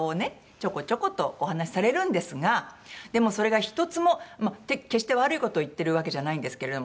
ちょこちょことお話しされるんですがでもそれが１つも決して悪い事を言ってるわけじゃないんですけれども。